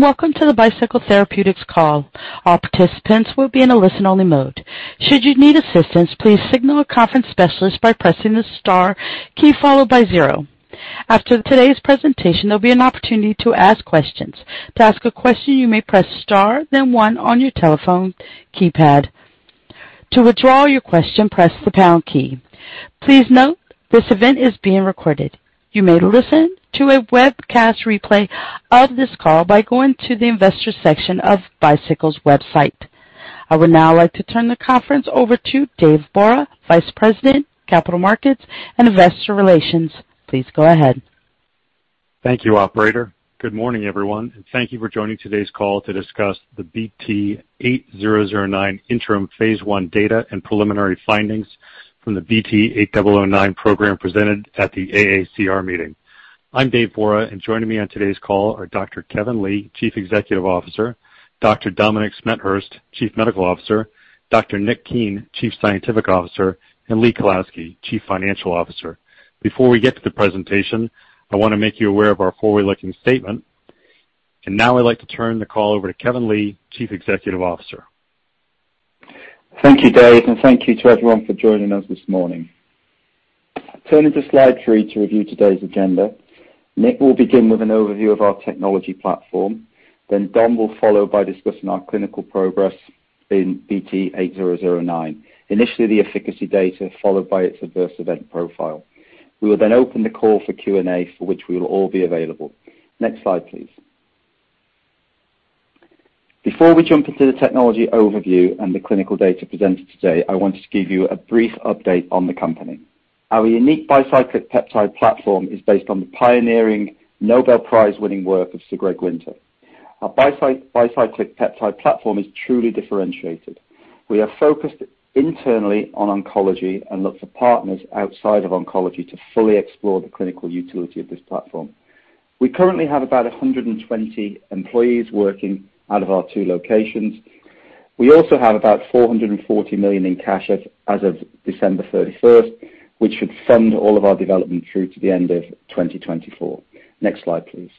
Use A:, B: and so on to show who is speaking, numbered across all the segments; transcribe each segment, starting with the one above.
A: Welcome to the Bicycle Therapeutics call. All participants will be in a listen-only mode. Should you need assistance, please signal a conference specialist by pressing the star key followed by zero. After today's presentation, there'll be an opportunity to ask questions. To ask a question, you may press star then one on your telephone keypad. To withdraw your question, press the pound key. Please note, this event is being recorded. You may listen to a webcast replay of this call by going to the investor section of Bicycle's website. I would now like to turn the conference over to Dave Borah, Vice President, Capital Markets and Investor Relations. Please go ahead.
B: Thank you, operator. Good morning, everyone, and thank you for joining today's call to discuss the BT8009 interim phase I data and preliminary findings from the BT8009 program presented at the AACR meeting. I'm Dave Borah, and joining me on today's call are Dr. Kevin Lee, Chief Executive Officer, Dr. Dominic Smethurst, Chief Medical Officer, Dr. Nick Keen, Chief Scientific Officer, and Lee Kalowski, Chief Financial Officer. Before we get to the presentation, I wanna make you aware of our forward-looking statement. Now I'd like to turn the call over to Kevin Lee, Chief Executive Officer.
C: Thank you, Dave, and thank you to everyone for joining us this morning. Turning to slide three to review today's agenda. Nick will begin with an overview of our technology platform, then Dom will follow by discussing our clinical progress in BT8009. Initially, the efficacy data followed by its adverse event profile. We will then open the call for Q&A, for which we will all be available. Next slide, please. Before we jump into the technology overview and the clinical data presented today, I want to give you a brief update on the company. Our unique bicyclic peptide platform is based on the pioneering Nobel Prize-winning work of Sir Gregory Winter. Our bicyclic peptide platform is truly differentiated. We are focused internally on oncology and look for partners outside of oncology to fully explore the clinical utility of this platform. We currently have about 120 employees working out of our two locations. We also have about $440 million in cash as of December 31st, which should fund all of our development through to the end of 2024. Next slide, please.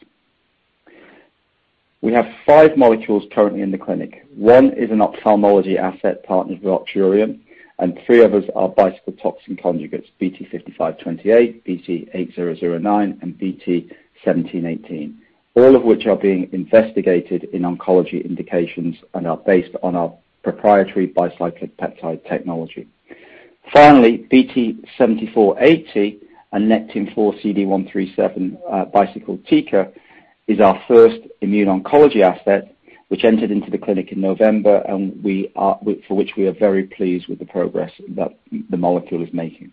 C: We have five molecules currently in the clinic. One is an ophthalmology asset partnered with Oxurion, and three others are Bicycle Toxin Conjugates, BT5528, BT8009, and BT1718, all of which are being investigated in oncology indications and are based on our proprietary bicyclic peptide technology. Finally, BT7480, a Nectin-4/CD137 Bicycle TICA, is our first immuno-oncology asset, which entered into the clinic in November, for which we are very pleased with the progress that the molecule is making.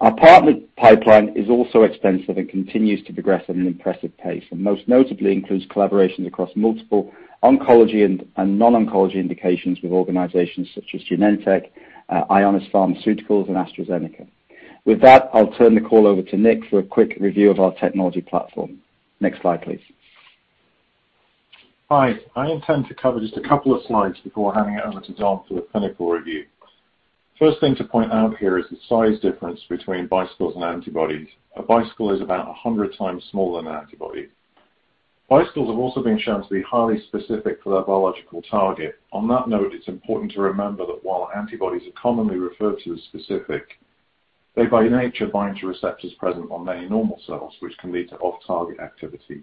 C: Our partner pipeline is also expansive and continues to progress at an impressive pace, and most notably includes collaborations across multiple oncology and non-oncology indications with organizations such as Genentech, Ionis Pharmaceuticals, and AstraZeneca. With that, I'll turn the call over to Nick for a quick review of our technology platform. Next slide, please.
D: Hi. I intend to cover just a couple of slides before handing it over to Dominic for the clinical review. First thing to point out here is the size difference between bicycles and antibodies. A bicycle is about 100x smaller than an antibody. Bicycles have also been shown to be highly specific for their biological target. On that note, it's important to remember that while antibodies are commonly referred to as specific, they, by nature, bind to receptors present on many normal cells, which can lead to off-target activity.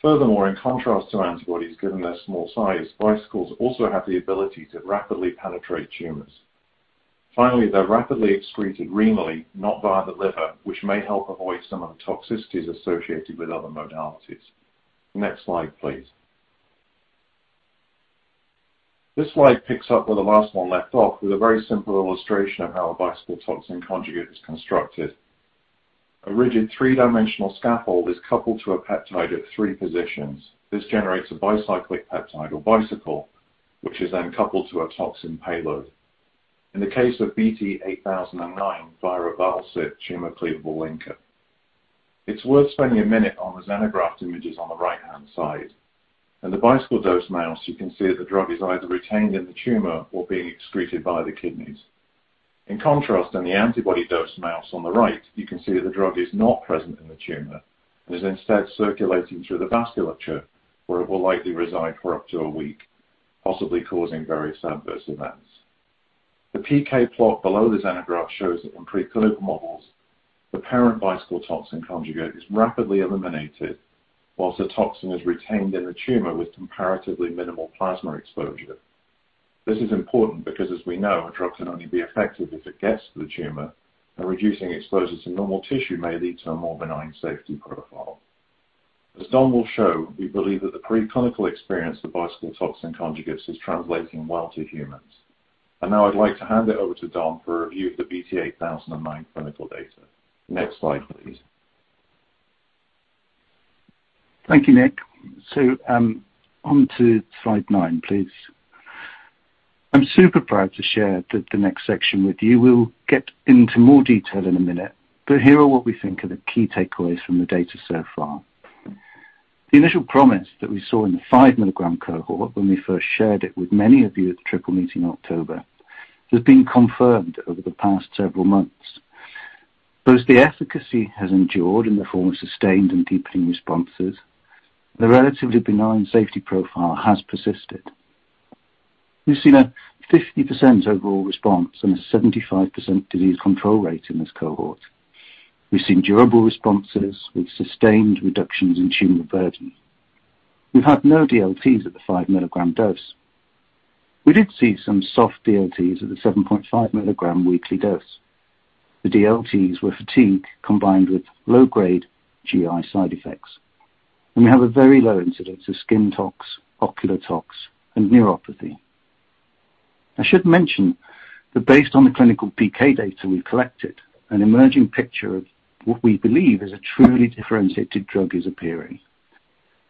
D: Furthermore, in contrast to antibodies, given their small size, bicycles also have the ability to rapidly penetrate tumors. Finally, they're rapidly excreted renally, not via the liver, which may help avoid some of the toxicities associated with other modalities. Next slide, please. This slide picks up where the last one left off with a very simple illustration of how a Bicycle Toxin Conjugate is constructed. A rigid three-dimensional scaffold is coupled to a peptide at three positions. This generates a bicyclic peptide or bicycle, which is then coupled to a toxin payload in the case of BT8009 via a Val-cit tumor-cleavable linker. It's worth spending a minute on the xenograft images on the right-hand side. In the bicycle-dosed mouse, you can see that the drug is either retained in the tumor or being excreted by the kidneys. In contrast, in the antibody-dosed mouse on the right, you can see the drug is not present in the tumor and is instead circulating through the vasculature, where it will likely reside for up to a week, possibly causing various adverse events. The PK plot below the xenograft shows that in preclinical models, the parent Bicycle Toxin Conjugate is rapidly eliminated while the toxin is retained in the tumor with comparatively minimal plasma exposure. This is important because, as we know, a drug can only be effective if it gets to the tumor, and reducing exposure to normal tissue may lead to a more benign safety profile. As Dom will show, we believe that the preclinical experience of Bicycle Toxin Conjugates is translating well to humans. Now I'd like to hand it over to Dom for a review of the BT8009 clinical data. Next slide, please.
E: Thank you, Nick. On to slide nine, please. I'm super proud to share the next section with you. We'll get into more detail in a minute, but here are what we think are the key takeaways from the data so far. The initial promise that we saw in the 5 mg cohort when we first shared it with many of you at the Triple Meeting in October has been confirmed over the past several months. The efficacy has endured in the form of sustained and deepening responses. The relatively benign safety profile has persisted. We've seen a 50% overall response and a 75% disease control rate in this cohort. We've seen durable responses with sustained reductions in tumor burden. We've had no DLTs at the 5 mg dose. We did see some soft DLTs at the 7.5 mg weekly dose. The DLTs were fatigue combined with low-grade GI side effects. We have a very low incidence of skin tox, ocular tox, and neuropathy. I should mention that based on the clinical PK data we collected, an emerging picture of what we believe is a truly differentiated drug is appearing.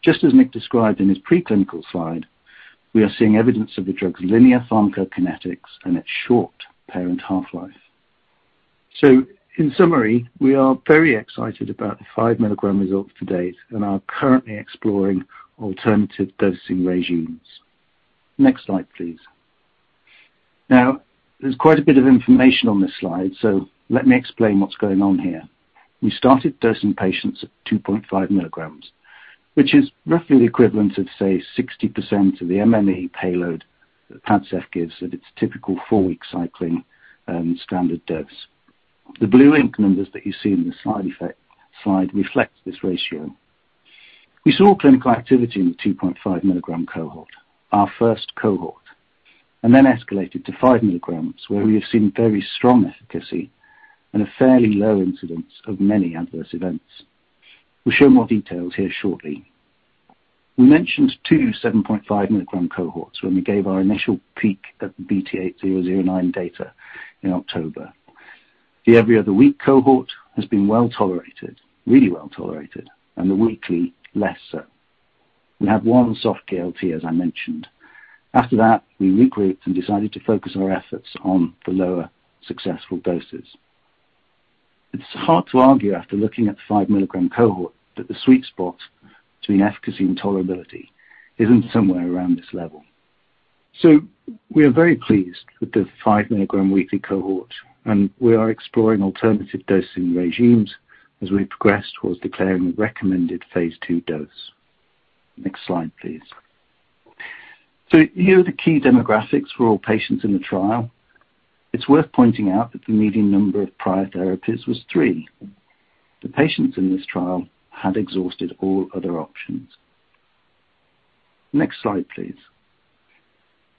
E: Just as Nick described in his pre-clinical slide, we are seeing evidence of the drug's linear pharmacokinetics and its short parent half-life. In summary, we are very excited about the 5 mg results to date and are currently exploring alternative dosing regimens. Next slide, please. Now, there's quite a bit of information on this slide, so let me explain what's going on here. We started dosing patients at 2.5 mg, which is roughly the equivalent of, say, 60% of the MMAE payload that Padcev gives at its typical four-week cycling, standard dose. The blue ink numbers that you see in the slide reflect this ratio. We saw clinical activity in the 2.5 mg cohort, our first cohort, and then escalated to 5 mg, where we have seen very strong efficacy and a fairly low incidence of many adverse events. We'll show more details here shortly. We mentioned two 7.5 mg cohorts when we gave our initial peek at the BT8009 data in October. The every other week cohort has been well-tolerated, really well-tolerated, and the weekly, less so. We have one soft DLT, as I mentioned. After that, we regrouped and decided to focus our efforts on the lower successful doses. It's hard to argue after looking at the 5 mg cohort that the sweet spot between efficacy and tolerability isn't somewhere around this level. We are very pleased with the 5 mg weekly cohort, and we are exploring alternative dosing regimens as we progress towards declaring the recommended phase II dose. Next slide, please. Here are the key demographics for all patients in the trial. It's worth pointing out that the median number of prior therapies was three. The patients in this trial had exhausted all other options. Next slide, please.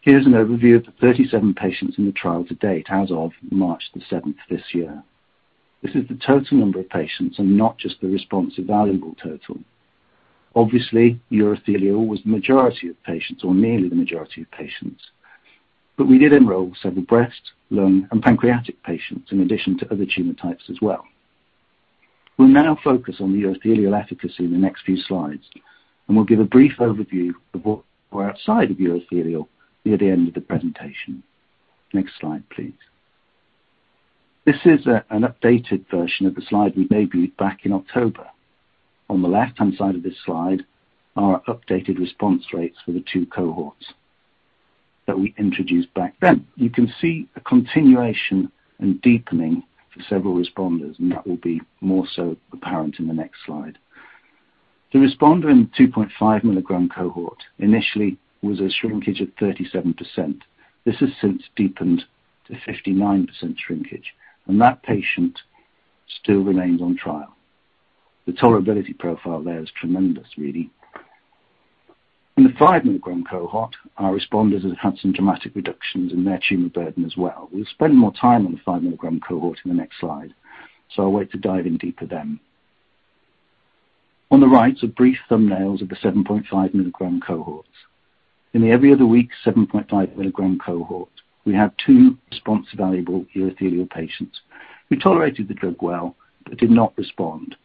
E: Here's an overview of the 37 patients in the trial to date as of March the 7th this year. This is the total number of patients and not just the response evaluable total. Obviously, urothelial was the majority of patients or nearly the majority of patients. We did enroll several breast, lung, and pancreatic patients in addition to other tumor types as well. We'll now focus on the urothelial efficacy in the next few slides, and we'll give a brief overview of what we're outside of urothelial near the end of the presentation. Next slide, please. This is an updated version of the slide we debuted back in October. On the left-hand side of this slide are updated response rates for the two cohorts that we introduced back then. You can see a continuation and deepening for several responders, and that will be more so apparent in the next slide. The responder in 2.5 mg cohort initially was a shrinkage of 37%. This has since deepened to 59% shrinkage, and that patient still remains on trial. The tolerability profile there is tremendous, really. In the 5 mg cohort, our responders have had some dramatic reductions in their tumor burden as well. We'll spend more time on the 5 mg cohort in the next slide, so I'll wait to dive in deeper then. On the right are brief thumbnails of the 7.5 mg cohorts. In the every other week 7.5 mg cohort, we have two response evaluable urothelial patients who tolerated the drug well but did not respond.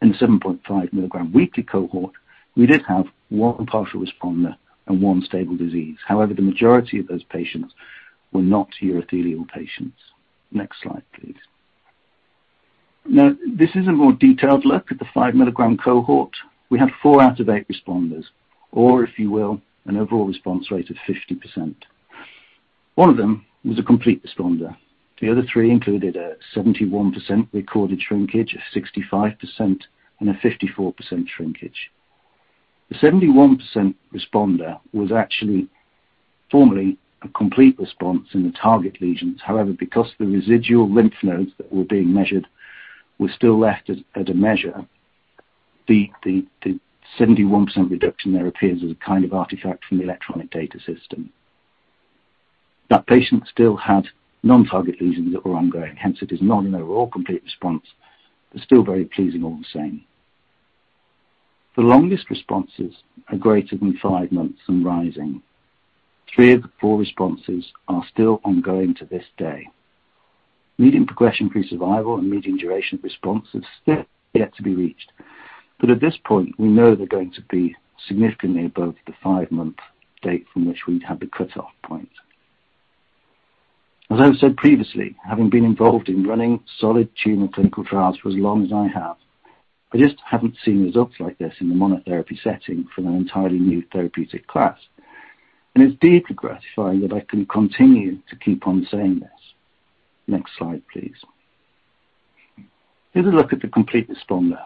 E: In the 7.5 mg weekly cohort, we did have one partial responder and one stable disease. However, the majority of those patients were not urothelial patients. Next slide, please. Now, this is a more detailed look at the 5 mg cohort. We had four out of eight responders or, if you will, an overall response rate of 50%. One of them was a complete responder. The other three included a 71% recorded shrinkage, a 65%, and a 54% shrinkage. The 71% responder was actually formally a complete response in the target lesions. However, because the residual lymph nodes that were being measured were still left at a measure the 71% reduction there appears as a kind of artifact from the electronic data system. That patient still had non-target lesions that were ongoing. Hence, it is not an overall complete response, but still very pleasing all the same. The longest responses are greater than 5 months and rising. Three of the four responses are still ongoing to this day. Median progression-free survival and median duration response have still yet to be reached. At this point, we know they're going to be significantly above the five-month date from which we'd had the cutoff point. As I've said previously, having been involved in running solid tumor clinical trials for as long as I have, I just haven't seen results like this in the monotherapy setting for an entirely new therapeutic class. It's deeply gratifying that I can continue to keep on saying this. Next slide, please. Here's a look at the complete responder.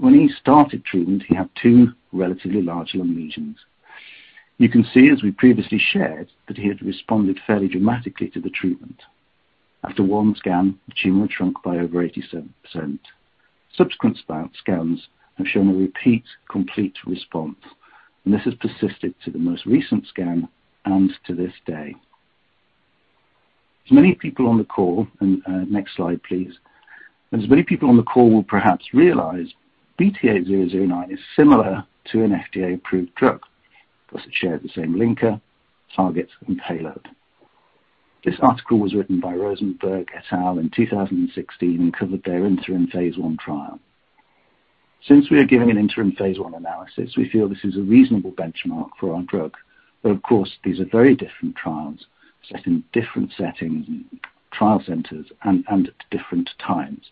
E: When he started treatment, he had two relatively large lung lesions. You can see, as we previously shared, that he had responded fairly dramatically to the treatment. After one scan, the tumor shrunk by over 87%. Subsequent scans have shown a repeat complete response, and this has persisted to the most recent scan and to this day. As many people on the call, next slide, please. As many people on the call will perhaps realize, BT8009 is similar to an FDA-approved drug. It shares the same linker, targets, and payload. This article was written by Rosenberg et al in 2016 and covered their interim phase I trial. Since we are giving an interim phase I analysis, we feel this is a reasonable benchmark for our drug, but of course, these are very different trials set in different settings and trial centers and at different times.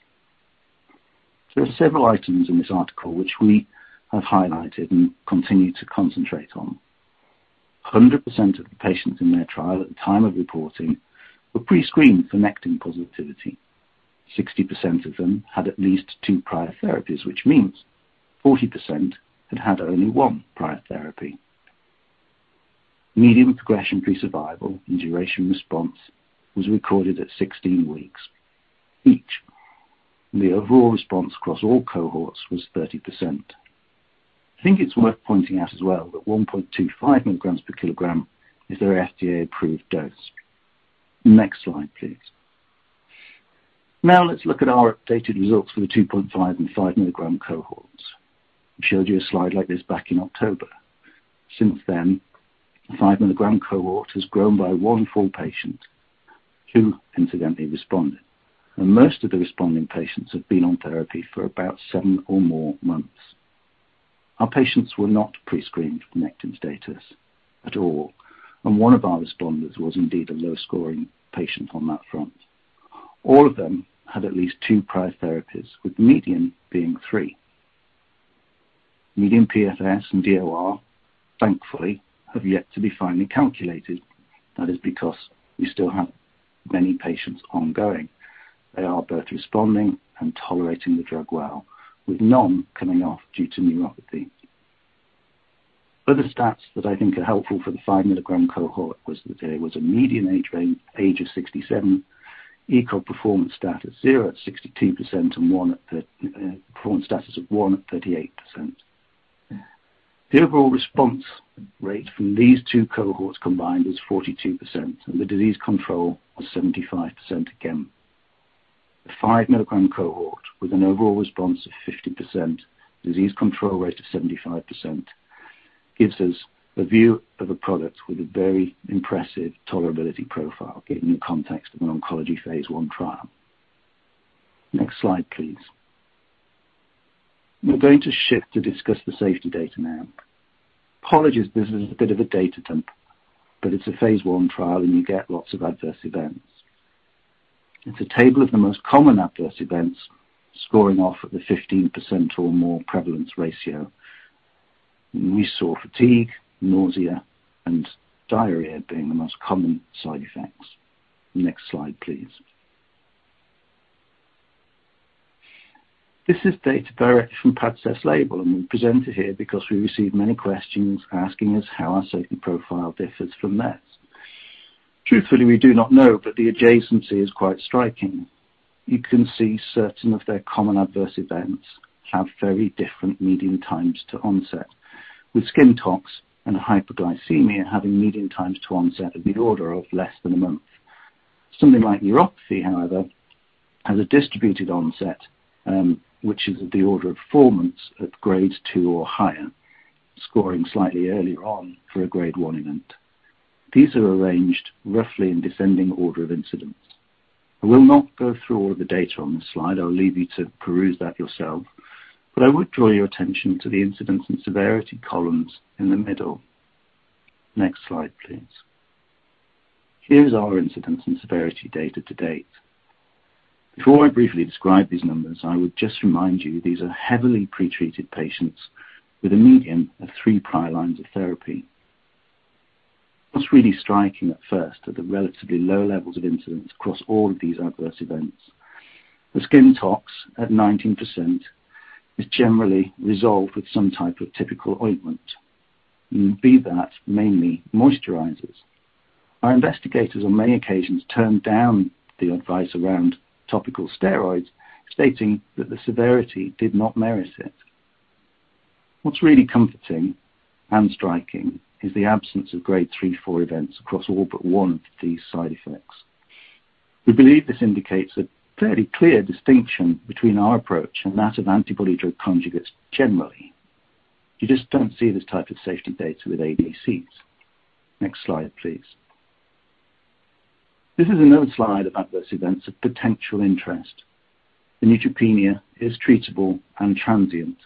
E: There are several items in this article which we have highlighted and continue to concentrate on. 100% of the patients in their trial at the time of reporting were pre-screened for Nectin-4 positivity. 60% of them had at least two prior therapies, which means 40% had had only one prior therapy. Median progression-free survival and duration response was recorded at 16 weeks each. The overall response across all cohorts was 30%. I think it's worth pointing out as well that 1.25 mg/kg is their FDA-approved dose. Next slide, please. Now let's look at our updated results for the 2.5 mg and 5 mg cohorts. I showed you a slide like this back in October. Since then, the 5 mg cohort has grown by one full patient, who incidentally responded. Most of the responding patients have been on therapy for about seven or more months. Our patients were not pre-screened for Nectin-4 status at all, and one of our responders was indeed a low-scoring patient on that front. All of them had at least two prior therapies, with median being three. Median PFS and DOR, thankfully, have yet to be finally calculated. That is because we still have many patients ongoing. They are both responding and tolerating the drug well, with none coming off due to neuropathy. Other stats that I think are helpful for the 5 mg cohort was that there was a median age of 67, ECOG performance status 0 at 62% and 1 at 38%. The overall response rate from these two cohorts combined was 42%, and the disease control was 75% again. The 5 mg cohort with an overall response of 50%, disease control rate of 75%, gives us a view of a product with a very impressive tolerability profile in the context of an oncology phase I trial. Next slide, please. We're going to shift to discuss the safety data now. Apologies, this is a bit of a data dump, but it's a phase I trial, and you get lots of adverse events. It's a table of the most common adverse events scoring off at the 15% or more prevalence ratio. We saw fatigue, nausea, and diarrhea being the most common side effects. Next slide, please. This is data directly from Padcev's label, and we present it here because we receive many questions asking us how our safety profile differs from theirs. Truthfully, we do not know, but the adjacency is quite striking. You can see certain of their common adverse events have very different median times to onset, with skin tox and hyperglycemia having median times to onset of the order of less than a month. Something like neuropathy, however, has a distributed onset, which is of the order of four months at grade two or higher, scoring slightly earlier on for a grade one event. These are arranged roughly in descending order of incidence. I will not go through all of the data on this slide. I'll leave you to peruse that yourself, but I would draw your attention to the incidence and severity columns in the middle. Next slide, please. Here's our incidence and severity data to date. Before I briefly describe these numbers, I would just remind you, these are heavily pre-treated patients with a median of three prior lines of therapy. What's really striking at first are the relatively low levels of incidence across all of these adverse events. The skin tox at 19% is generally resolved with some type of typical ointment, and that being mainly moisturizers. Our investigators on many occasions turned down the advice around topical steroids, stating that the severity did not merit it. What's really comforting and striking is the absence of grade 3/4 events across all but one of these side effects. We believe this indicates a fairly clear distinction between our approach and that of antibody drug conjugates generally. You just don't see this type of safety data with ADCs. Next slide, please. This is another slide of adverse events of potential interest. The neutropenia is treatable and transient.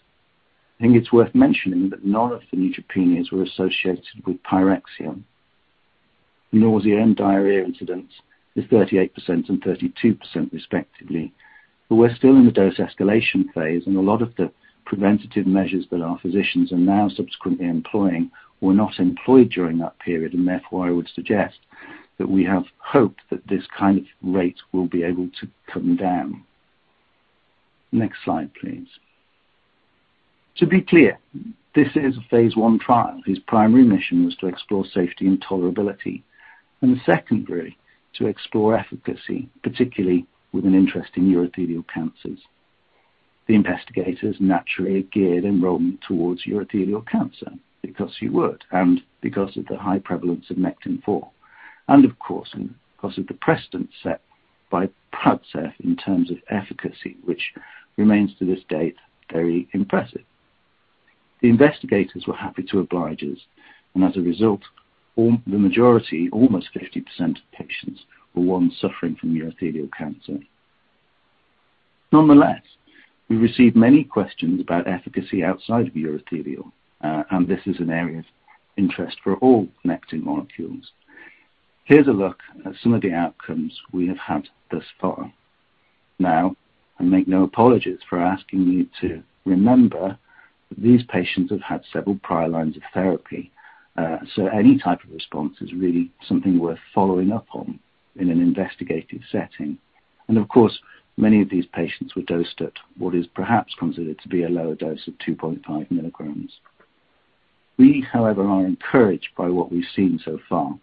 E: I think it's worth mentioning that none of the neutropenias were associated with pyrexia. Nausea and diarrhea incidence is 38% and 32% respectively. We're still in the dose escalation phase, and a lot of the preventative measures that our physicians are now subsequently employing were not employed during that period. Therefore, I would suggest that we have hoped that this kind of rate will be able to come down. Next slide, please. To be clear, this is a phase I trial whose primary mission was to explore safety and tolerability, and secondly, to explore efficacy, particularly with an interest in urothelial cancers. The investigators naturally geared enrollment towards urothelial cancer because you would, and because of the high prevalence of Nectin-4 and, of course, because of the precedent set by Padcev in terms of efficacy, which remains to this date, very impressive. The investigators were happy to oblige us, and as a result, the majority, almost 50% of patients, were ones suffering from urothelial cancer. Nonetheless, we received many questions about efficacy outside of urothelial, and this is an area of interest for all Nectin molecules. Here's a look at some of the outcomes we have had thus far. Now, I make no apologies for asking you to remember that these patients have had several prior lines of therapy, so any type of response is really something worth following up on in an investigative setting. Of course, many of these patients were dosed at what is perhaps considered to be a lower dose of 2.5 mg. We, however, are encouraged by what we've seen so far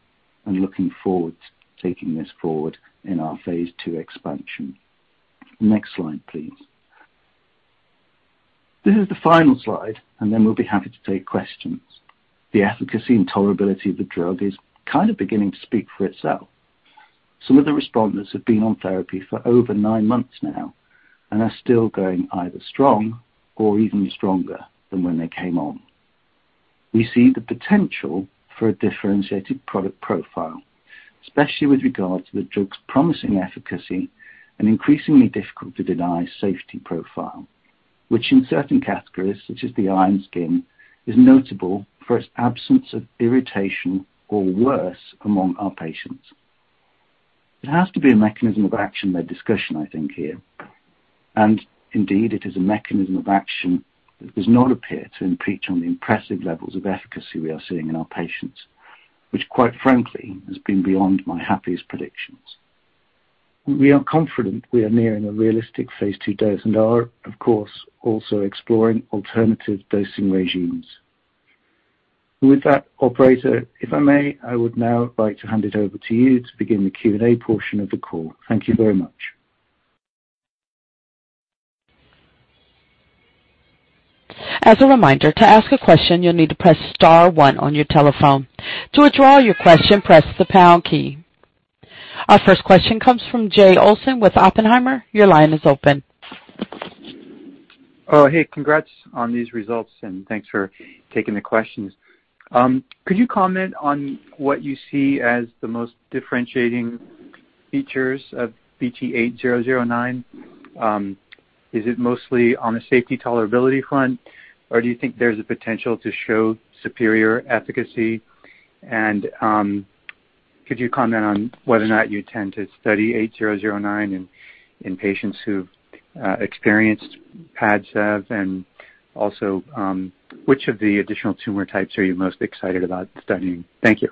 E: and looking forward to taking this forward in our phase II expansion. Next slide, please. This is the final slide, and then we'll be happy to take questions. The efficacy and tolerability of the drug is kind of beginning to speak for itself. Some of the responders have been on therapy for over nine months now and are still going either strong or even stronger than when they came on. We see the potential for a differentiated product profile, especially with regards to the drug's promising efficacy and increasingly difficult to deny safety profile, which in certain categories, such as the eye and skin, is notable for its absence of irritation or worse among our patients. It has to be a mechanism of action by discussion, I think here. Indeed, it is a mechanism of action that does not appear to impinge on the impressive levels of efficacy we are seeing in our patients, which quite frankly, has been beyond my happiest predictions. We are confident we are nearing a realistic phase II dose and are of course also exploring alternative dosing regimens. With that, operator, if I may, I would now like to hand it over to you to begin the Q&A portion of the call. Thank you very much.
A: As a reminder, to ask a question, you'll need to press star one on your telephone. To withdraw your question, press the pound key. Our first question comes from Jay Olson with Oppenheimer. Your line is open.
F: Oh, hey, congrats on these results, and thanks for taking the questions. Could you comment on what you see as the most differentiating features of BT8009? Is it mostly on the safety tolerability front, or do you think there's a potential to show superior efficacy? Could you comment on whether or not you intend to study BT8009 in patients who've experienced Padcev? Which of the additional tumor types are you most excited about studying? Thank you.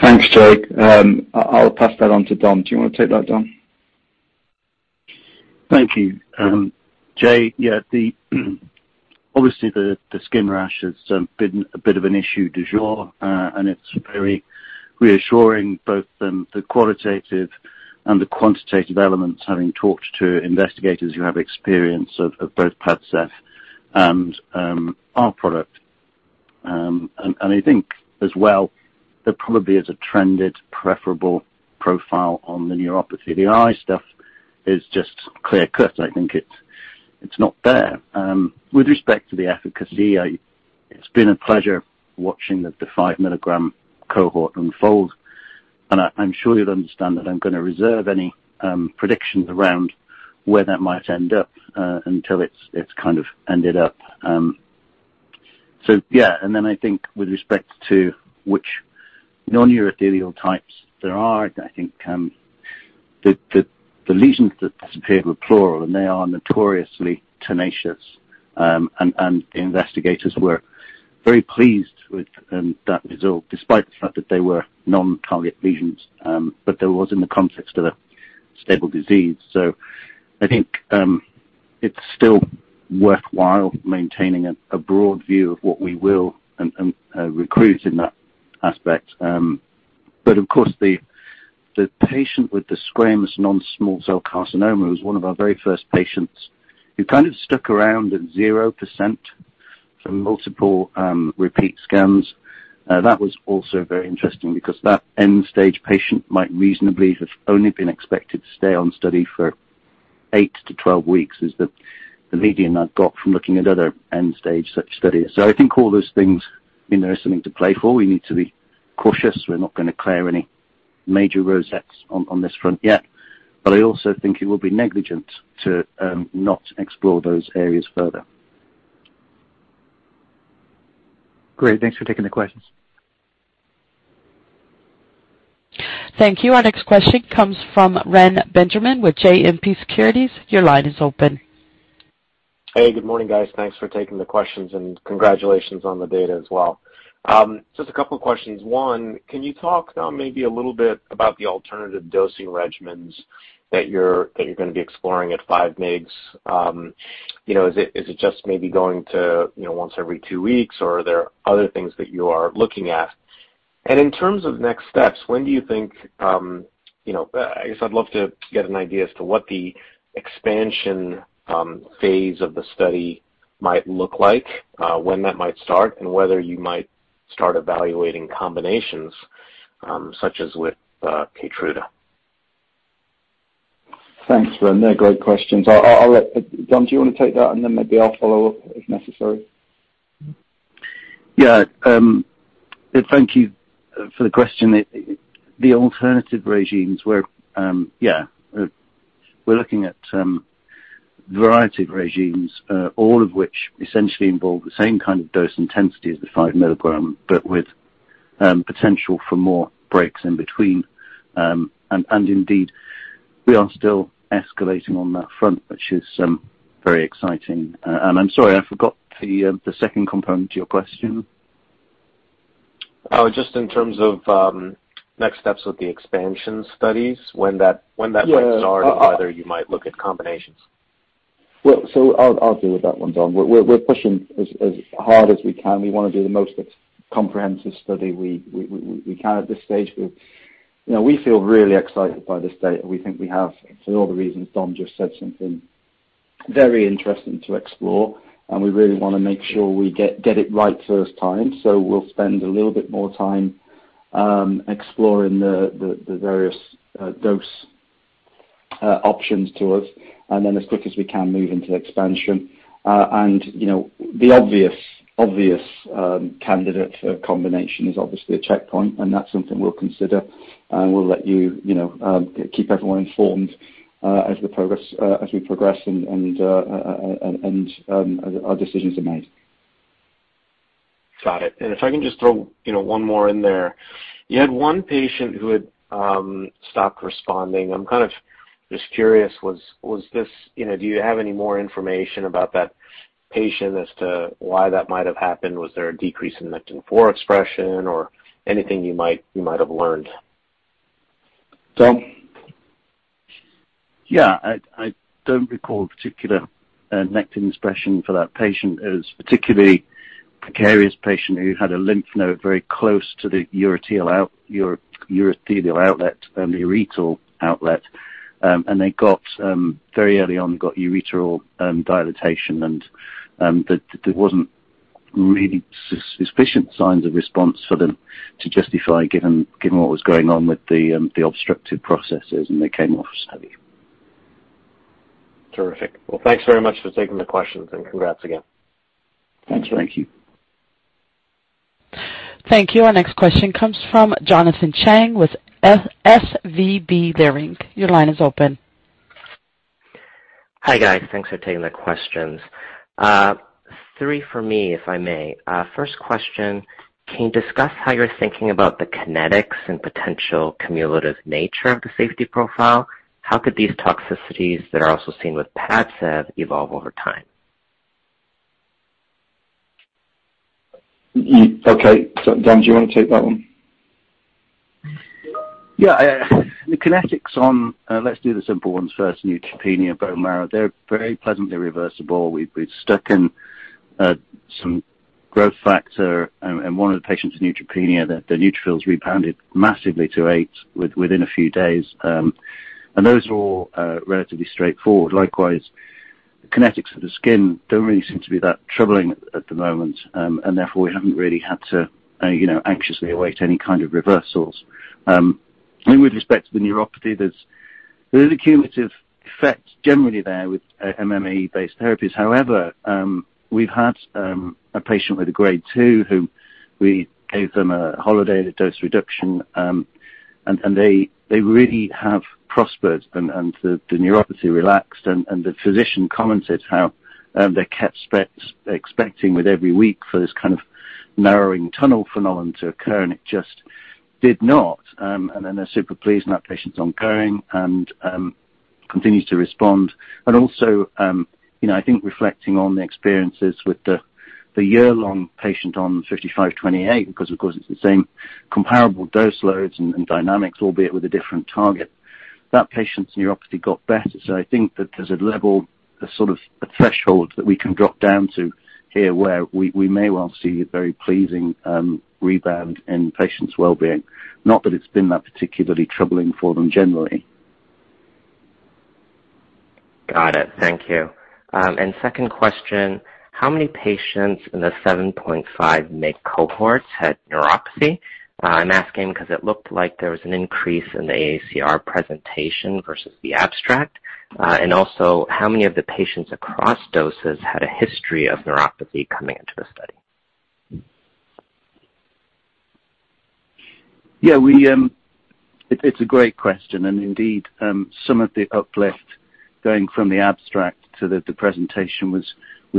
C: Thanks, Jay. I'll pass that on to Dom. Do you want to take that, Dom?
E: Thank you. Jay. Yeah, obviously the skin rash has been a bit of an issue du jour, and it's very reassuring, both the qualitative and the quantitative elements having talked to investigators who have experience of both Padcev and our product. I think as well, there probably is a trended preferable profile on the neuropathy. The eye stuff is just clear-cut. I think it's not there. With respect to the efficacy, it's been a pleasure watching the 5 mg cohort unfold, and I'm sure you'll understand that I'm gonna reserve any predictions around where that might end up until it's kind of ended up. I think with respect to which non-urothelial types there are. I think the lesions that disappeared were plural and they are notoriously tenacious. The investigators were very pleased with that result despite the fact that they were non-target lesions. It was in the context of a stable disease. I think it's still worthwhile maintaining a broad view of what we will and recruit in that aspect. Of course, the patient with the squamous non-small cell carcinoma was one of our very first patients who kind of stuck around at 0% from multiple repeat scans. That was also very interesting because that end-stage patient might reasonably have only been expected to stay on study for eight to 12 weeks, is the median I've got from looking at other end-stage such studies. I think all those things mean there is something to play for. We need to be cautious. We're not gonna clear any major hurdles on this front yet, but I also think it would be negligent to not explore those areas further.
F: Great. Thanks for taking the questions.
A: Thank you. Our next question comes from Reni Benjamin with JMP Securities. Your line is open.
G: Hey, good morning, guys. Thanks for taking the questions and congratulations on the data as well. Just a couple of questions. One, can you talk maybe a little bit about the alternative dosing regimens that you're gonna be exploring at 5 mg? You know, is it just maybe going to once every two weeks or are there other things that you are looking at? In terms of next steps, when do you think, you know, I guess I'd love to get an idea as to what the expansion phase of the study might look like, when that might start and whether you might start evaluating combinations, such as with Keytruda?
C: Thanks, Ren. They're great questions. I'll let Dominic, do you want to take that and then maybe I'll follow up if necessary.
E: Thank you for the question. We're looking at variety of regimens, all of which essentially involve the same kind of dose intensity as the 5 mg, but with potential for more breaks in between. Indeed, we are still escalating on that front, which is very exciting. I'm sorry, I forgot the second component to your question.
G: Oh, just in terms of next steps with the expansion studies, when that might start or either you might look at combinations?
C: Well, I'll deal with that one, Dom. We're pushing as hard as we can. We wanna do the most comprehensive study we can at this stage. You know, we feel really excited by this data. We think we have, for all the reasons Dom just said, something very interesting to explore, and we really wanna make sure we get it right first time. We'll spend a little bit more time exploring the various dose options to us, and then as quick as we can, move into expansion. You know, the obvious candidate for combination is obviously a checkpoint, and that's something we'll consider. We'll let you know, keep everyone informed as we progress and as our decisions are made.
G: Got it. If I can just throw, you know, one more in there. You had one patient who had stopped responding. I'm kind of just curious. You know, do you have any more information about that patient as to why that might have happened? Was there a decrease in Nectin-4 expression or anything you might have learned?
C: Dom?
E: Yeah. I don't recall a particular Nectin expression for that patient. It was a particularly precarious patient who had a lymph node very close to the urethral outlet. They got urethral dilatation very early on, and there wasn't really sufficient signs of response for them to justify, given what was going on with the obstructive processes. They came off study.
G: Terrific. Well, thanks very much for taking the questions and congrats again.
E: Thanks.
C: Thank you.
A: Thank you. Our next question comes from Jonathan Chang with SVB Leerink. Your line is open.
H: Hi, guys. Thanks for taking the questions. Three for me, if I may. First question, can you discuss how you're thinking about the kinetics and potential cumulative nature of the safety profile? How could these toxicities that are also seen with Padcev evolve over time?
C: Okay. Dom, do you wanna take that one?
E: Yeah. The kinetics. Let's do the simple ones first. Neutropenia, bone marrow, they're very pleasantly reversible. We've stuck in some growth factor and one of the patients with neutropenia, the neutrophils rebounded massively to eight within a few days. Those are all relatively straightforward. Likewise, the kinetics of the skin don't really seem to be that troubling at the moment, and therefore, we haven't really had to you know anxiously await any kind of reversals. I think with respect to the neuropathy, there's a cumulative effect generally there with MMAE-based therapies. However, we've had a patient with a grade two who we gave them a holiday, a dose reduction, and they really have prospered and the neuropathy relaxed and the physician commented how they kept expecting with every week for this kind of narrowing tunnel phenomenon to occur, and it just did not. Then they're super pleased and that patient's ongoing and continues to respond. Also, you know, I think reflecting on the experiences with the year-long patient on BT5528, because of course it's the same comparable dose loads and dynamics, albeit with a different target. That patient's neuropathy got better. I think that there's a level, a sort of a threshold that we can drop down to here where we may well see a very pleasing rebound in patients' well-being. Not that it's been that particularly troubling for them generally.
H: Got it. Thank you. Second question, how many patients in the 7.5 mg cohorts had neuropathy? I'm asking 'cause it looked like there was an increase in the AACR presentation versus the abstract. How many of the patients across doses had a history of neuropathy coming into the study?
E: Yeah, it's a great question. Indeed, some of the uplift going from the abstract to the presentation was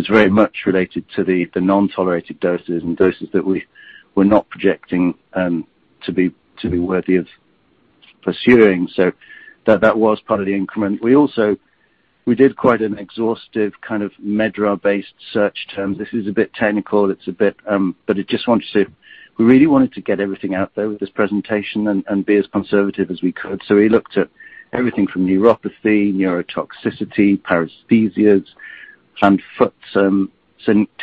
E: very much related to the non-tolerated doses and doses that we were not projecting to be worthy of pursuing. That was part of the increment. We also did quite an exhaustive kind of MedDRA-based search term. This is a bit technical, it's a bit, but we really wanted to get everything out there with this presentation and be as conservative as we could. We looked at everything from neuropathy, neurotoxicity, paresthesias, hand-foot syndrome,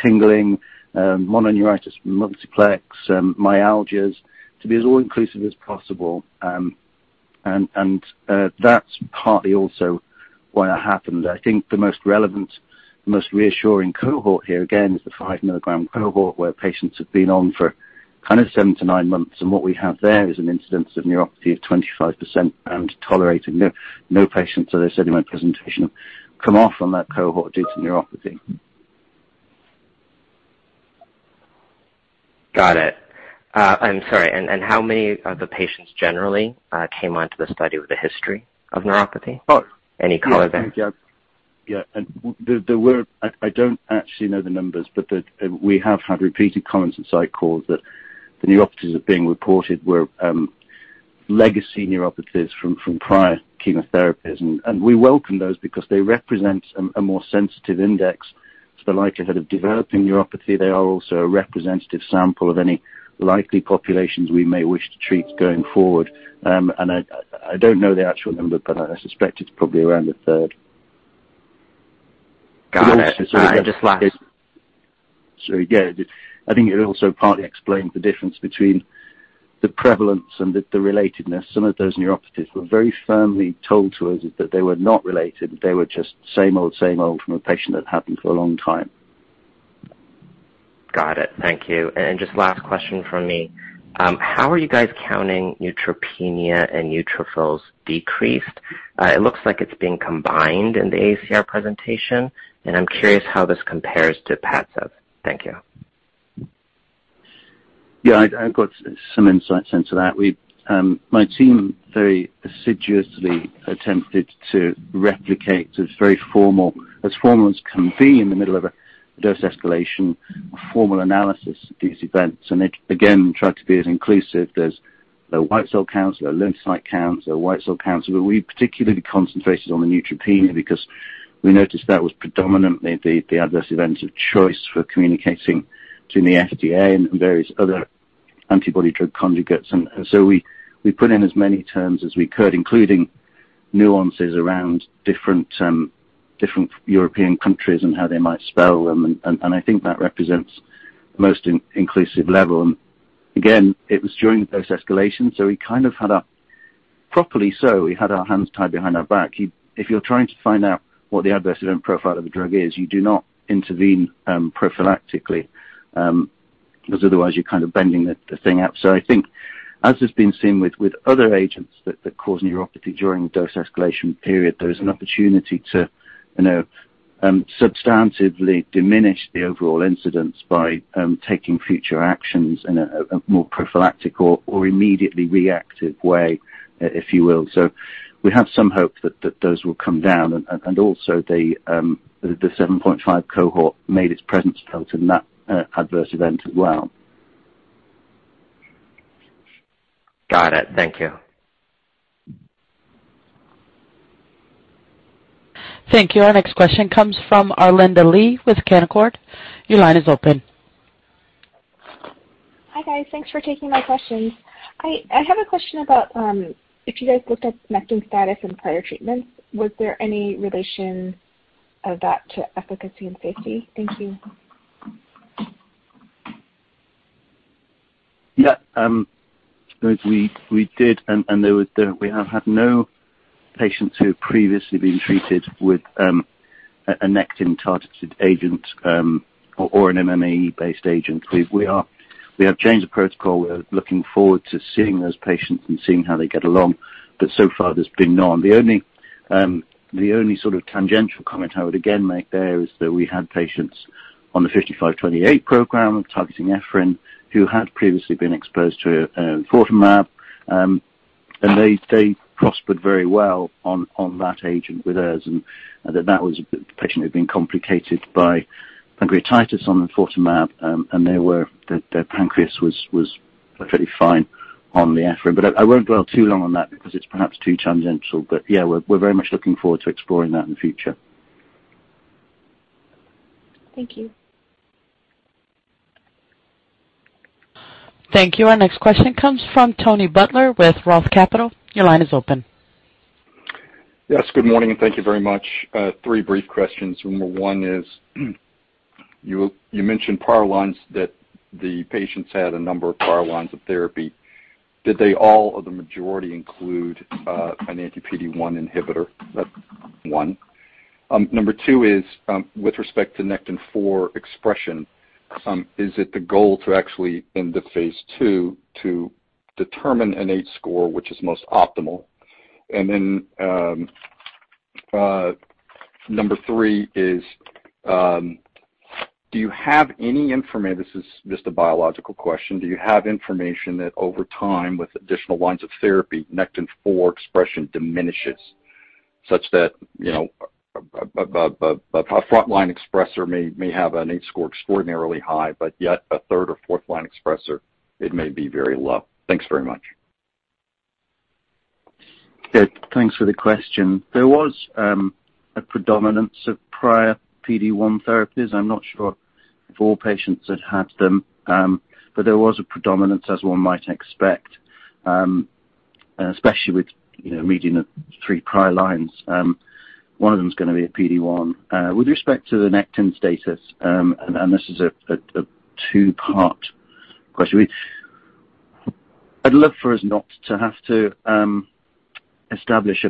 E: tingling, mononeuritis multiplex, myalgias, to be as all-inclusive as possible. That's partly also why it happened. I think the most relevant, the most reassuring cohort here, again, is the 5 mg cohort, where patients have been on for kind of seven to nine months. What we have there is an incidence of neuropathy of 25% and no patients, as I said in my presentation, have come off on that cohort due to neuropathy.
H: Got it. I'm sorry. How many of the patients generally came onto the study with a history of neuropathy?
E: Oh.
H: Any color there?
E: Yeah. Yeah, there were. I don't actually know the numbers, but we have had repeated comments in site calls that the neuropathies that are being reported were legacy neuropathies from prior chemotherapies. We welcome those because they represent a more sensitive index to the likelihood of developing neuropathy. They are also a representative sample of any likely populations we may wish to treat going forward. I don't know the actual number, but I suspect it's probably around a third.
H: Got it. All right.
E: Yeah. I think it also partly explains the difference between the prevalence and the relatedness. Some of those neuropathies were very firmly told to us that they were not related. They were just same old, same old from a patient that had them for a long time.
H: Got it. Thank you. Just last question from me. How are you guys counting neutropenia and neutrophils decreased? It looks like it's being combined in the AACR presentation, and I'm curious how this compares to Padcev? Thank you.
E: Yeah. I've got some insight into that. We, my team very assiduously attempted to replicate a very formal, as formal as can be in the middle of a dose escalation, a formal analysis of these events. It again tried to be as inclusive as the white cell counts, the lymphocyte counts, the white cell counts. We particularly concentrated on the neutropenia because we noticed that was predominantly the adverse event of choice for communicating to the FDA and various other antibody-drug conjugates. We put in as many terms as we could, including nuances around different different European countries and how they might spell them. I think that represents the most inclusive level. It was during the dose escalation, so we kind of had our hands tied behind our back, properly so. If you're trying to find out what the adverse event profile of a drug is, you do not intervene prophylactically because otherwise you're kind of bending the thing out. I think as has been seen with other agents that cause neuropathy during the dose escalation period, there is an opportunity to you know substantively diminish the overall incidence by taking future actions in a more prophylactic or immediately reactive way, if you will. We have some hope that those will come down. Also the 7.5 mg cohort made its presence felt in that adverse event as well.
H: Got it. Thank you.
A: Thank you. Our next question comes from Arlinda Lee with Canaccord. Your line is open.
I: Hi, guys. Thanks for taking my questions. I have a question about if you guys looked at Nectin-4 status in prior treatments. Was there any relation of that to efficacy and safety? Thank you.
E: Yeah. We did. We have had no patients who have previously been treated with a Nectin-targeted agent or an MMAE-based agent. We have changed the protocol. We're looking forward to seeing those patients and seeing how they get along, but so far there's been none. The only sort of tangential comment I would again make there is that we had patients on the BT5528 program targeting EphA2 who had previously been exposed to enfortumab, and they prospered very well on that agent with ours, and that was a patient who had been complicated by pancreatitis on enfortumab, and their pancreas was fairly fine on the EphA2. But I won't dwell too long on that because it's perhaps too tangential. Yeah, we're very much looking forward to exploring that in the future.
I: Thank you.
A: Thank you. Our next question comes from Tony Butler with ROTH Capital. Your line is open.
J: Yes, good morning, and thank you very much. Three brief questions. Number one is, you mentioned prior lines that the patients had a number of prior lines of therapy. Did they all or the majority include an anti-PD-1 inhibitor? That's one. Number two is, with respect to Nectin-4 expression, is it the goal to actually end the phase II to determine an H-score which is most optimal? Number three is, do you have any information. This is just a biological question. Do you have information that over time, with additional lines of therapy, Nectin-4 expression diminishes such that, you know, a frontline expressor may have an H-score extraordinarily high, but yet a third or fourth line expressor, it may be very low? Thanks very much.
E: Okay, thanks for the question. There was a predominance of prior PD-1 therapies. I'm not sure if all patients had had them, but there was a predominance, as one might expect, especially with you know median of three prior lines, one of them is gonna be a PD-1. With respect to the nectin status, and this is a two-part question. I'd love for us not to have to establish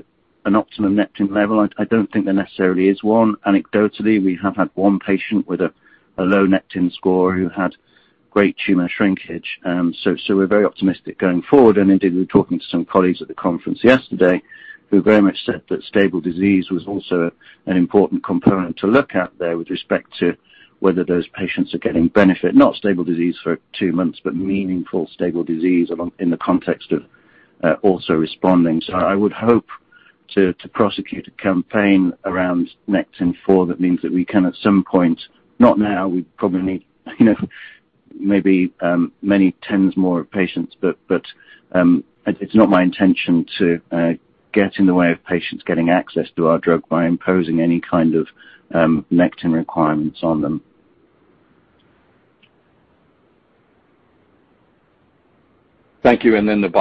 E: an optimum nectin level. I don't think there necessarily is one. Anecdotally, we have had one patient with a low nectin score who had great tumor shrinkage. So we're very optimistic going forward. Indeed, we were talking to some colleagues at the conference yesterday who very much said that stable disease was also an important component to look at there with respect to whether those patients are getting benefit. Not stable disease for two months, but meaningful stable disease along in the context of also responding. I would hope to prosecute a campaign around Nectin-4 that means that we can, at some point, not now, we probably need, you know, maybe many 10s more patients, but it's not my intention to get in the way of patients getting access to our drug by imposing any kind of Nectin requirements on them.
J: Thank you. Does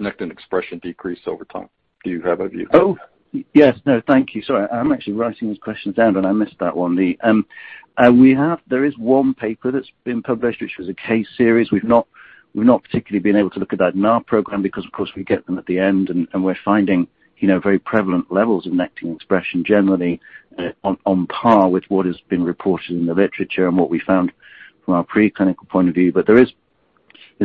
J: Nectin expression decrease over time? Do you have a view?
E: Oh, yes. No, thank you. Sorry. I'm actually writing these questions down, and I missed that one, Lee. There is one paper that's been published, which was a case series. We've not particularly been able to look at that in our program because, of course, we get them at the end and we're finding, you know, very prevalent levels of Nectin expression generally, on par with what has been reported in the literature and what we found from our preclinical point of view. There is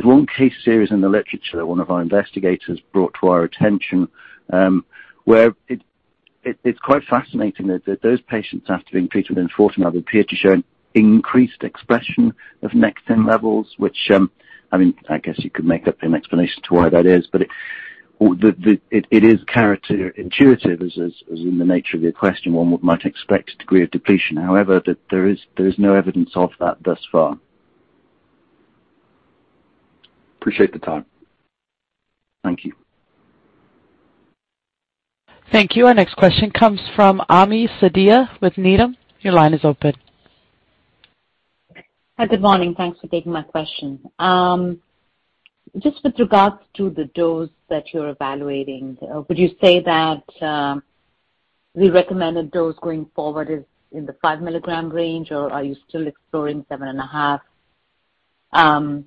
E: one case series in the literature that one of our investigators brought to our attention, where it is quite fascinating that those patients, after being treated with enfortumab, appeared to show an increased expression of Nectin levels, which, I mean, I guess you could make up an explanation to why that is, but it is counterintuitive as in the nature of your question, one might expect a degree of depletion. However, there is no evidence of that thus far.
J: Appreciate the time.
E: Thank you.
A: Thank you. Our next question comes from Ami Fadia with Needham. Your line is open.
K: Hi, good morning. Thanks for taking my question. Just with regards to the dose that you're evaluating, would you say that the recommended dose going forward is in the 5 mg range, or are you still exploring 7.5 mg?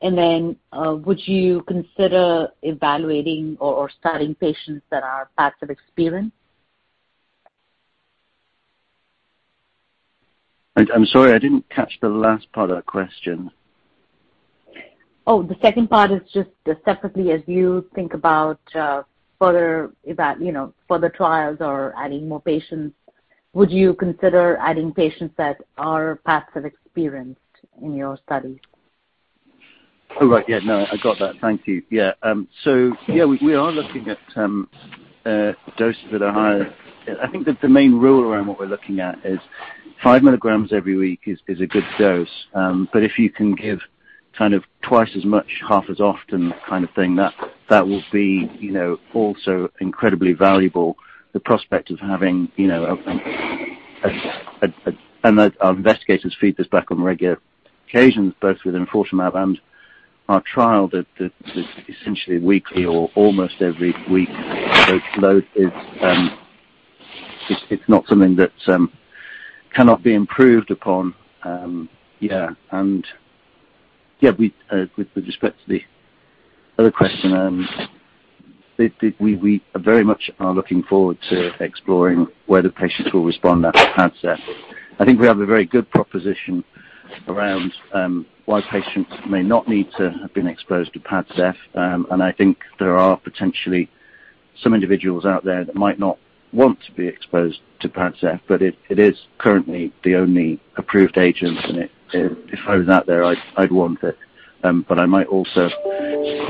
K: And then, would you consider evaluating or studying patients that are previously treated?
E: I'm sorry, I didn't catch the last part of that question.
K: Oh, the second part is just separately, as you think about, you know, further trials or adding more patients, would you consider adding patients that are previously experienced in your studies?
E: Oh, right. Yeah. No, I got that. Thank you. Yeah. So yeah, we are looking at doses that are higher. I think that the main rule around what we're looking at is 5 mg every week is a good dose. But if you can give kind of twice as much, half as often kind of thing, that will be, you know, also incredibly valuable. The prospect of having, you know, and our investigators feed this back on regular occasions, both with enfortumab and our trial that is essentially weekly or almost every week dose load is, it's not something that cannot be improved upon. Yeah. With respect to the other question, we are very much looking forward to exploring whether patients will respond to Padcev. I think we have a very good proposition around why patients may not need to have been exposed to Padcev. I think there are potentially some individuals out there that might not want to be exposed to Padcev, but it is currently the only approved agent. If I was out there, I'd want it. I might also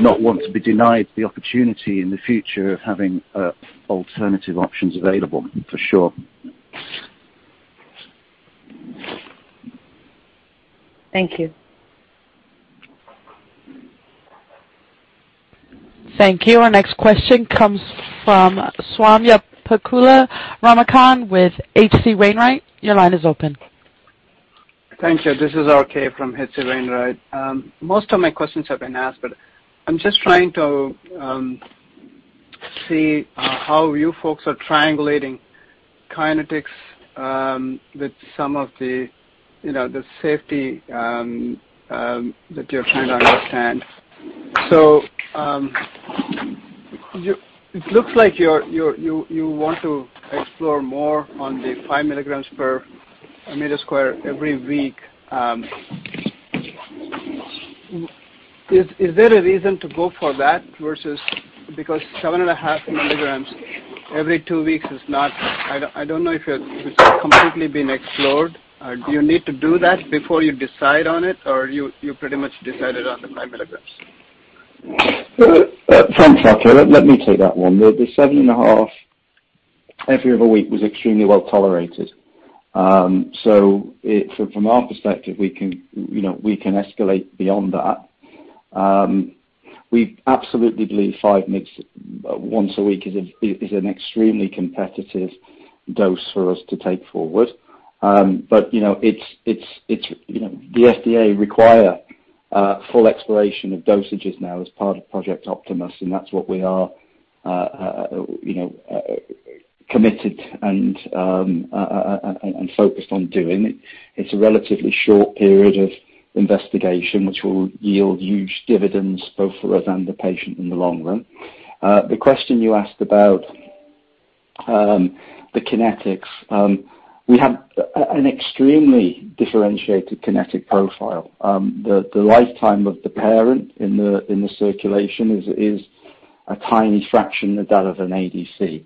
E: not want to be denied the opportunity in the future of having alternative options available, for sure.
K: Thank you.
A: Thank you. Our next question comes from Swayampakula Ramakanth with H.C. Wainwright. Your line is open.
L: Thank you. This is RK from H.C. Wainwright. Most of my questions have been asked, but I'm just trying to see how you folks are triangulating kinetics with some of the, you know, the safety that you're trying to understand. It looks like you want to explore more on the 5 mg/m² every week. Is there a reason to go for that versus because 7.5 mg every two weeks is not. I don't know if it's completely been explored. Do you need to do that before you decide on it, or you pretty much decided on the 5 mg?
C: Thanks, RK. Let me take that one. The 7.5 mg every other week was extremely well tolerated. From our perspective, we can, you know, we can escalate beyond that. We absolutely believe 5 mg once a week is an extremely competitive dose for us to take forward. You know, it's the FDA require full exploration of dosages now as part of Project Optimus, and that's what we are committed and focused on doing. It's a relatively short period of investigation, which will yield huge dividends both for us and the patient in the long run. The question you asked about the kinetics, we have an extremely differentiated kinetic profile. The lifetime of the parent in the circulation is a tiny fraction of that of an ADC.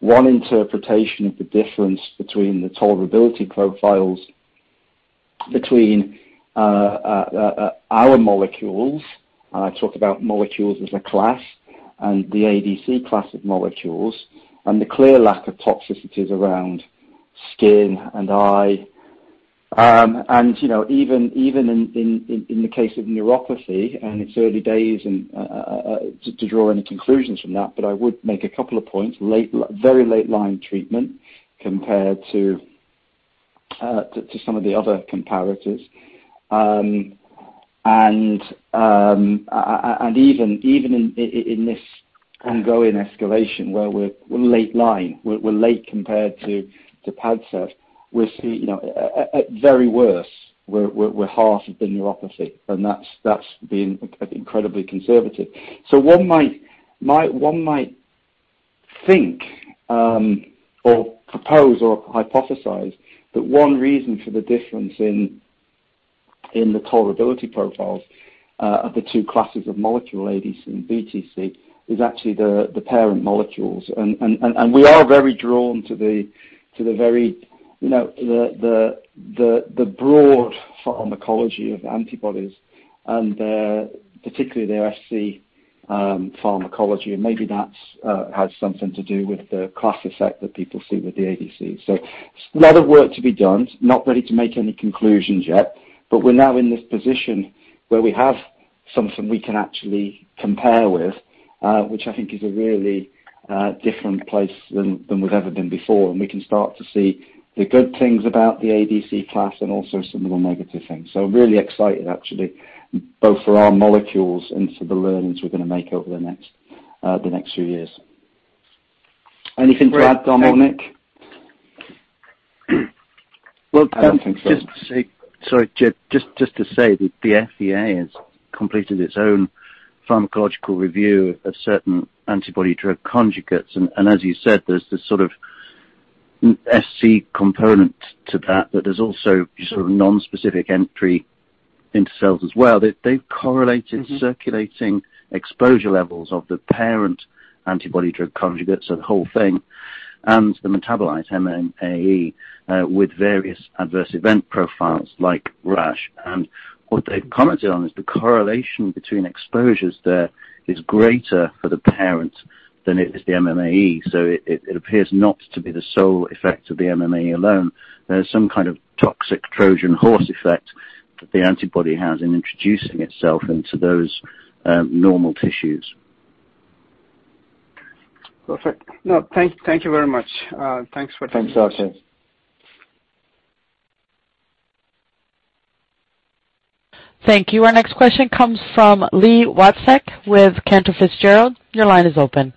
C: One interpretation of the difference between the tolerability profiles between our molecules, and I talk about molecules as a class, and the ADC class of molecules, and the clear lack of toxicities around skin and eye. You know, even in the case of neuropathy, and it's early days and to draw any conclusions from that, but I would make a couple of points. Very late line treatment compared to some of the other comparatives. Even in this ongoing escalation where we're late-line, we're late compared to Padcev, we're seeing, you know, at very worst, we're half of the neuropathy, and that's being incredibly conservative. One might think or propose or hypothesize that one reason for the difference in the tolerability profiles of the two classes of molecule ADC and BTC is actually the parent molecules. We are very drawn to the very, you know, the broad pharmacology of antibodies and particularly their Fc pharmacology. Maybe that has something to do with the class effect that people see with the ADC. A lot of work to be done. Not ready to make any conclusions yet, but we're now in this position where we have something we can actually compare with, which I think is a really different place than we've ever been before. We can start to see the good things about the ADC class and also some of the negative things. Really excited actually, both for our molecules and for the learnings we're gonna make over the next few years. Anything to add, Dominic?
L: Great.
C: I don't think so.
E: Sorry, Jim. Just to say that the FDA has completed its own pharmacological review of certain antibody-drug conjugates. As you said, there's this sort of SC component to that, but there's also sort of nonspecific entry into cells as well. They've correlated-
L: Mm-hmm.
E: Circulating exposure levels of the parent antibody drug conjugates, so the whole thing, and the metabolite, MMAE, with various adverse event profiles like rash. What they've commented on is the correlation between exposures there is greater for the parent than it is the MMAE. It appears not to be the sole effect of the MMAE alone. There's some kind of toxic Trojan horse effect that the antibody has in introducing itself into those normal tissues.
L: Perfect. No, thank you very much. Thanks for-
C: Thanks, RK.
A: Thank you. Our next question comes from Li Watsek with Cantor Fitzgerald. Your line is open.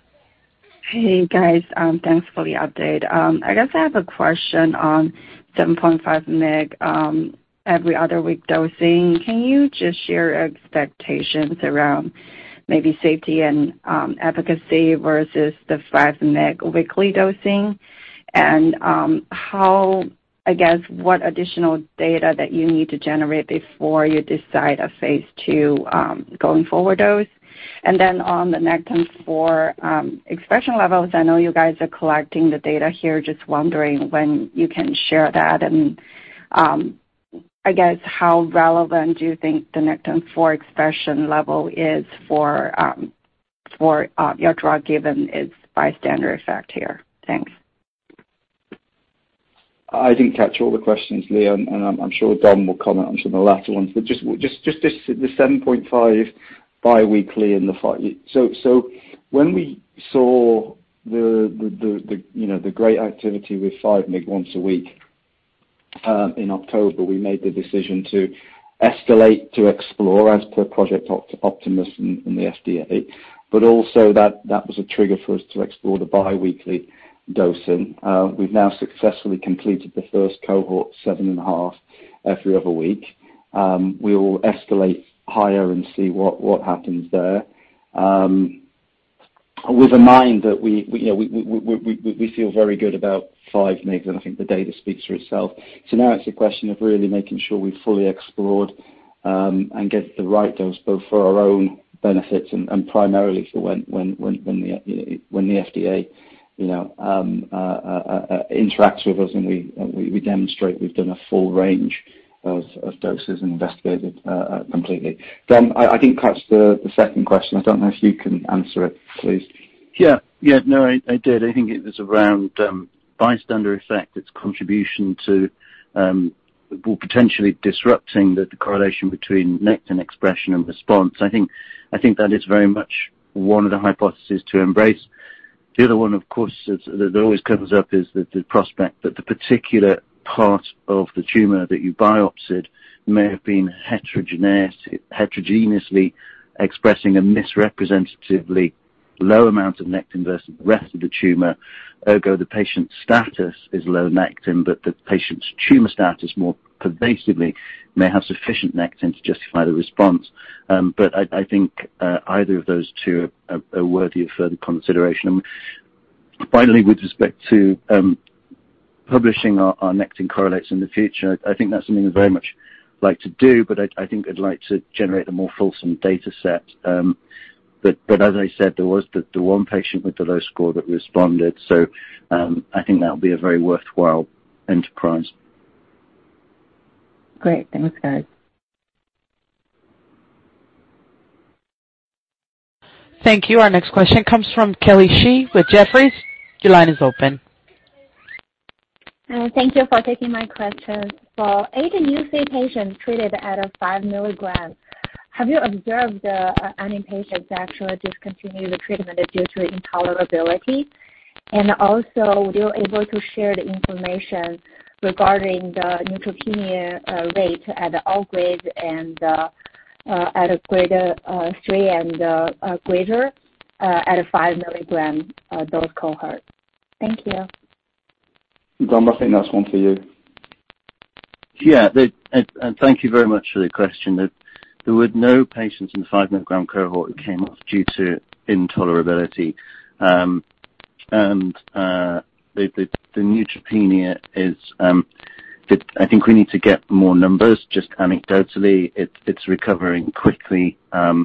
M: Hey, guys. Thanks for the update. I guess I have a question on 7.5 mg every other week dosing. Can you just share expectations around maybe safety and efficacy versus the 5 mg weekly dosing? How, I guess, what additional data that you need to generate before you decide a phase II going forward dose? Then on the Nectin-4 expression levels, I know you guys are collecting the data here. Just wondering when you can share that and, I guess how relevant do you think the Nectin-4 expression level is for your drug given its bystander effect here? Thanks.
C: I didn't catch all the questions, Lee, and I'm sure Dom will comment on some of the latter ones. Just the 7.5 mg biweekly. So when we saw the great activity with 5 mg once a week in October, we made the decision to escalate to explore as per Project Optimus and the FDA, but also that was a trigger for us to explore the biweekly dosing. We've now successfully completed the first cohort, 7.5 mg every other week. We will escalate higher and see what happens there. With a mind that, you know, we feel very good about 5 mg, and I think the data speaks for itself. now it's a question of really making sure we've fully explored and get the right dose, both for our own benefits and primarily for when the FDA interacts with us and we demonstrate we've done a full range of doses and investigated completely. Dom, I think that's the second question. I don't know if you can answer it, please.
E: Yeah. No, I did. I think it was around bystander effect, its contribution to well, potentially disrupting the correlation between Nectin expression and response. I think that is very much one of the hypothesis to embrace. The other one, of course, is that always comes up is the prospect that the particular part of the tumor that you biopsied may have been heterogeneously expressing a misrepresentatively low amount of Nectin versus the rest of the tumor. Ergo, the patient's status is low Nectin, but the patient's tumor status more pervasively may have sufficient Nectin to justify the response. I think either of those two are worthy of further consideration. Finally, with respect to publishing our nectin correlates in the future, I think that's something we very much like to do, but I think I'd like to generate a more fulsome data set. As I said, there was the one patient with the low score that responded, so I think that'll be a very worthwhile enterprise.
M: Great. Thanks, guys.
A: Thank you. Our next question comes from Kelly Shi with Jefferies. Your line is open.
N: Thank you for taking my question. For 18 UC patients treated at 5 mg, have you observed any patients actually discontinue the treatment due to intolerability? Also, were you able to share the information regarding the neutropenia rate at all grades and at a grade 3 and greater at a 5 mg dose cohort? Thank you.
C: Dom, I think that's one for you.
E: Thank you very much for the question. There were no patients in the 5 mg cohort who came off due to intolerability. I think we need to get more numbers. Just anecdotally, it's recovering quickly. Yeah,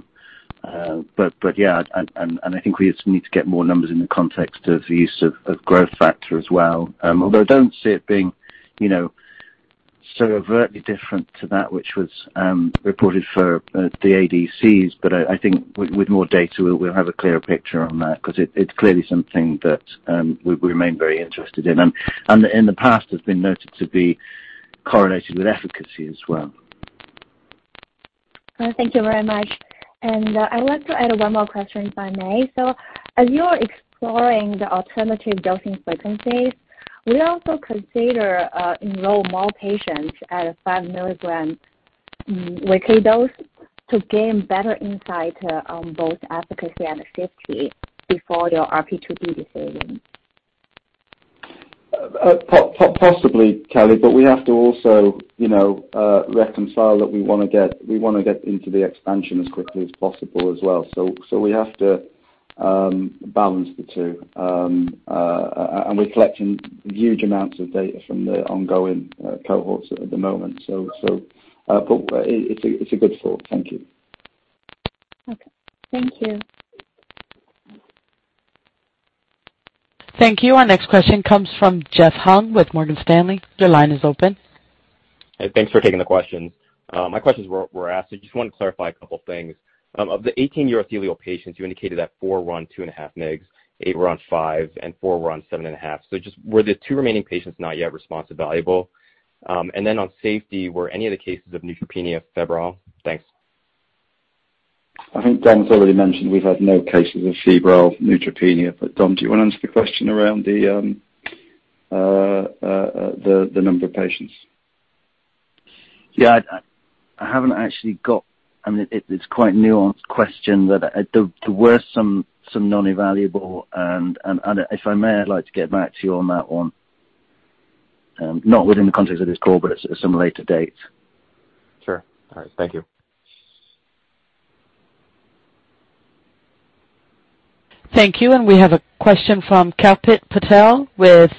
E: I think we just need to get more numbers in the context of the use of growth factor as well. Although I don't see it being, you know, so overtly different to that which was reported for the ADCs, but I think with more data, we'll have a clearer picture on that 'cause it's clearly something that we remain very interested in. In the past, it has been noted to be correlated with efficacy as well.
N: Thank you very much. I want to add one more question, if I may. As you're exploring the alternative dosing frequencies, will you also consider enroll more patients at a 5 mg weekly dose to gain better insight on both efficacy and safety before your RP2D decision?
C: Possibly, Kelly, but we have to also, you know, reconcile that we wanna get into the expansion as quickly as possible as well. We have to balance the two. We're collecting huge amounts of data from the ongoing cohorts at the moment. But it's a good thought. Thank you.
N: Okay. Thank you.
A: Thank you. Our next question comes from Jeff Hung with Morgan Stanley. Your line is open.
O: Thanks for taking the questions. My questions were asked. I just want to clarify a couple things. Of the 18 urothelial patients, you indicated that four were on 2.5 mg, eight were on 5 mg, and four were on 7.5 mg. Just were the two remaining patients not yet response evaluable? On safety, were any of the cases of neutropenia febrile? Thanks.
C: I think Dom's already mentioned we've had no cases of febrile neutropenia. Dom, do you wanna answer the question around the number of patients?
E: Yeah. I haven't actually got. I mean, it's quite a nuanced question. There were some non-evaluable. If I may, I'd like to get back to you on that one, not within the context of this call, but at some later date.
O: Sure. All right. Thank you.
A: Thank you. We have a question from Kalpit Patel with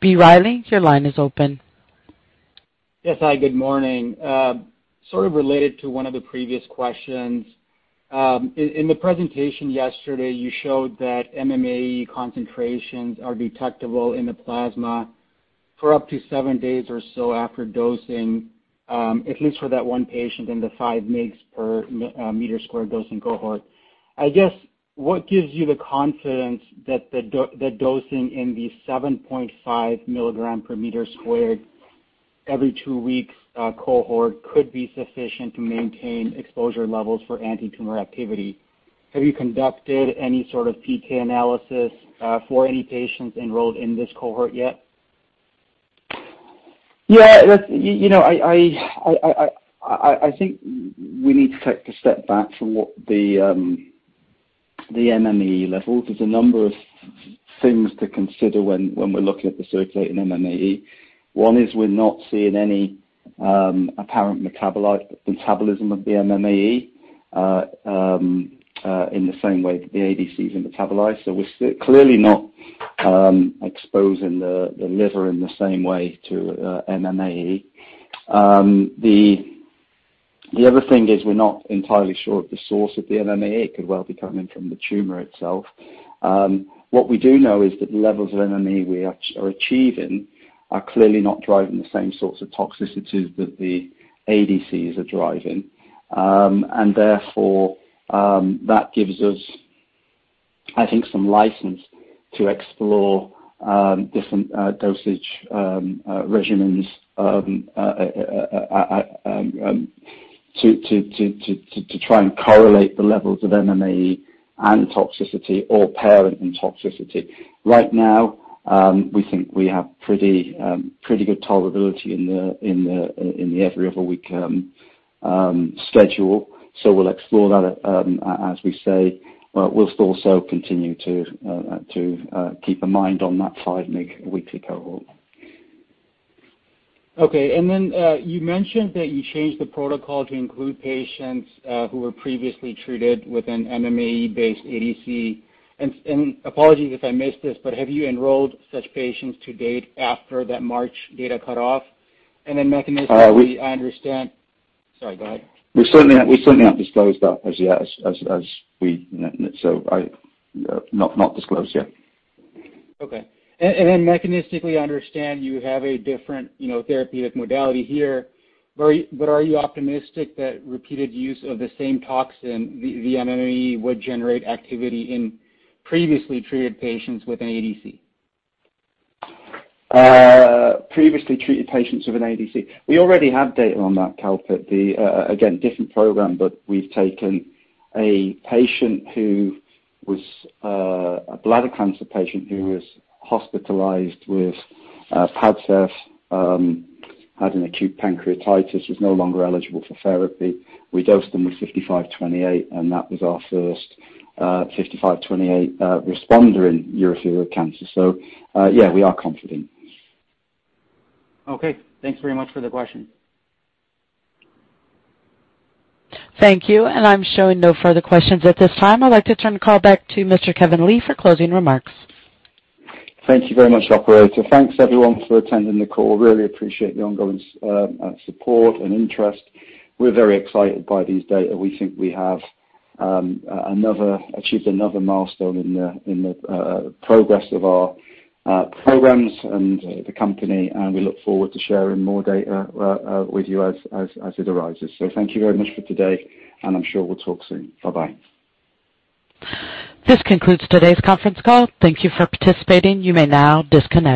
A: B. Riley. Your line is open.
P: Yes. Hi, good morning. Sort of related to one of the previous questions. In the presentation yesterday, you showed that MMAE concentrations are detectable in the plasma for up to seven days or so after dosing, at least for that one patient in the 5 mg/m² dosing cohort. I guess what gives you the confidence that the dosing in the 7.5 mg/m² every two weeks cohort could be sufficient to maintain exposure levels for antitumor activity? Have you conducted any sort of PK analysis for any patients enrolled in this cohort yet?
C: Yeah. That's you know, I think we need to take a step back from what the MMAE level. There's a number of things to consider when we're looking at the circulating MMAE. One is we're not seeing any apparent metabolism of the MMAE in the same way that the ADCs are metabolized. So we're clearly not exposing the liver in the same way to MMAE. The other thing is we're not entirely sure of the source of the MMAE. It could well be coming from the tumor itself. What we do know is that the levels of MMAE we are achieving are clearly not driving the same sorts of toxicities that the ADCs are driving. Therefore, that gives us, I think, some license to explore different dosage regimens to try and correlate the levels of MMAE and toxicity or parent and toxicity. Right now, we think we have pretty good tolerability in the every other week schedule. We'll explore that as we say. We'll still also continue to keep a mind on that five-week weekly cohort.
P: Okay. You mentioned that you changed the protocol to include patients who were previously treated with an MMAE-based ADC. Apologies if I missed this, but have you enrolled such patients to date after that March data cutoff? Mechanistically-
C: Uh, we-
P: I understand. Sorry, go ahead.
C: We certainly have disclosed that as yet. Not disclosed yet.
P: Mechanistically, I understand you have a different, you know, therapeutic modality here. Are you optimistic that repeated use of the same toxin, the MMAE, would generate activity in previously treated patients with an ADC?
C: Previously treated patients with an ADC. We already have data on that, Kalpit. Again, different program, but we've taken a patient who was a bladder cancer patient who was hospitalized with Padcev, had an acute pancreatitis, was no longer eligible for therapy. We dosed them with 55-28, and that was our first 55-28 responder in urothelial cancer. Yeah, we are confident.
P: Okay. Thanks very much for the question.
A: Thank you, and I'm showing no further questions at this time. I'd like to turn the call back to Mr. Kevin Lee for closing remarks.
C: Thank you very much, operator. Thanks, everyone, for attending the call. Really appreciate the ongoing support and interest. We're very excited by these data. We think we have achieved another milestone in the progress of our programs and the company, and we look forward to sharing more data with you as it arises. Thank you very much for today, and I'm sure we'll talk soon. Bye-bye.
A: This concludes today's conference call. Thank you for participating. You may now disconnect.